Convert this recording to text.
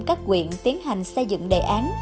các quyện tiến hành xây dựng đề án